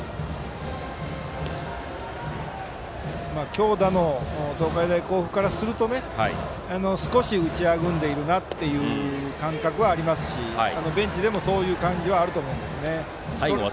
強打の東海大甲府からすると少し打ちあぐねているという感覚はありますしベンチでもそういう感じはあると思います。